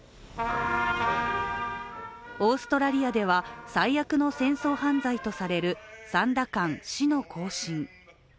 オーストラリアでは最悪の戦争犯罪とされるサンダカン死の行進。